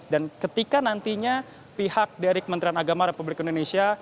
dan ketika nantinya pihak dari kementerian agama republik indonesia